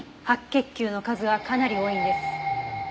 白血球の数がかなり多いんです。